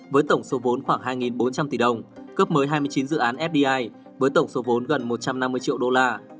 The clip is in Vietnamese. với tổng số vốn khoảng hai bốn trăm linh tỷ đồng cấp mới hai mươi chín dự án fdi với tổng số vốn gần một trăm năm mươi triệu đô la